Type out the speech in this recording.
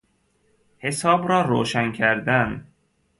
حساب را روشن کردن